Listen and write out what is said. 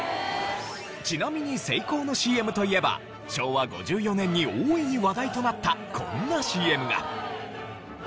ちなみにＳＥＩＫＯのＣＭといえば昭和５４年に大いに話題となったこんなＣＭが。